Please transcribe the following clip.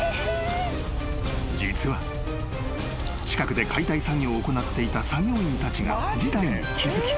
［実は近くで解体作業を行っていた作業員たちが事態に気付き